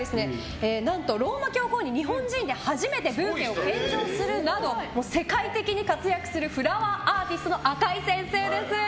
ローマ教皇に日本人で初めてブーケを献上するなど世界的に活躍するフラワーアーティストの赤井先生です。